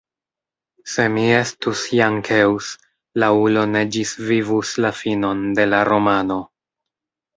Se mi estus Jankeus, la ulo ne ĝisvivus la finon de la romano.